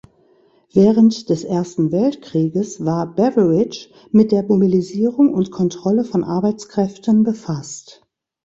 Während des Ersten Weltkrieges war Beveridge mit der Mobilisierung und Kontrolle von Arbeitskräften befasst.